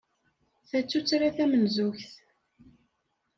Ta d tuttra tamenzugt?